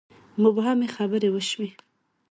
مبهمې خبرې وشوې.